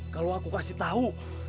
kalau aku kasih tau